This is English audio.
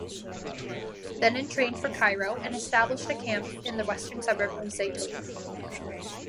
Then entrained for Cairo, and established a camp in the western suburb of Zeitoun.